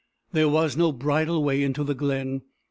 There was no bridle way into the glen.